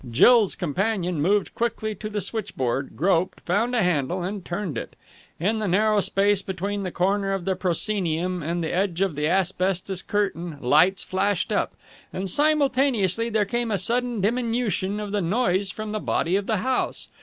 Jill's companion moved quickly to the switchboard, groped, found a handle, and turned it. In the narrow space between the corner of the proscenium and the edge of the asbestos curtain lights flashed up: and simultaneously there came a sudden diminution of the noise from the body of the house.